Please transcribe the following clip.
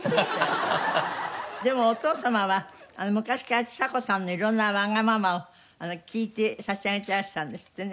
でもお父様は昔からちさ子さんの色んなわがままを聞いて差し上げてらしたんですってね。